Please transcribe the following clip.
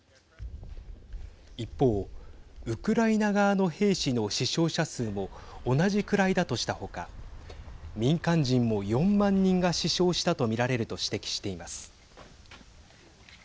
一方、ウクライナ側の兵士の死傷者数も同じくらいだとした他民間人も４万人が死傷したと見られると指摘しています。